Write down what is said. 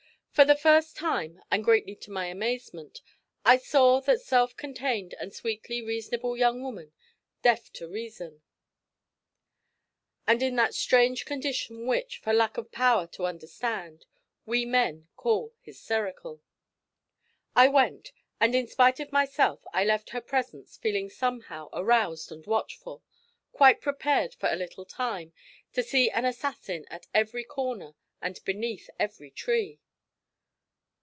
For the first time, and greatly to my amazement, I saw that self contained and sweetly reasonable young woman deaf to reason, and in that strange condition which, for lack of power to understand, we men call 'hysterical.' I went, and in spite of myself I left her presence feeling somehow aroused and watchful quite prepared, for a little time, to see an assassin at every corner and beneath every tree.